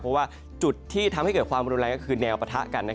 เพราะว่าจุดที่ทำให้เกิดความรุนแรงก็คือแนวปะทะกัน